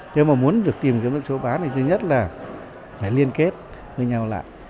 thế mà muốn được tìm kiếm được chỗ bán thì thứ nhất là phải liên kết với nhau lại